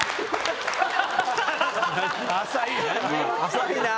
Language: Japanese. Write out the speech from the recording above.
浅いなぁ。